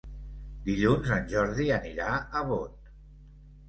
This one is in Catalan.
Dilluns en Jordi anirà a Bot.